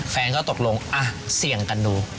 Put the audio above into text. แฟนก็ตกลงเสี่ยงกันดู